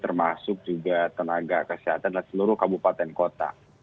termasuk juga tenaga kesehatan dan seluruh kabupaten kota